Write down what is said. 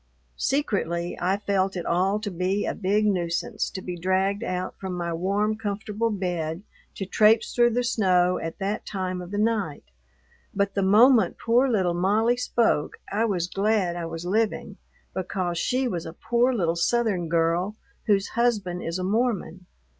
Secretly, I felt it all to be a big nuisance to be dragged out from my warm, comfortable bed to traipse through the snow at that time of the night. But the moment poor little Molly spoke I was glad I was living, because she was a poor little Southern girl whose husband is a Mormon.